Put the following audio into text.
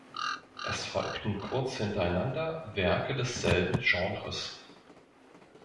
Es folgten kurz hintereinander Werke desselben Genres.